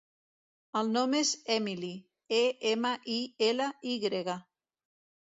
El nom és Emily: e, ema, i, ela, i grega.